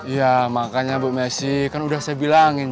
ya makanya bu messi kan udah saya bilangin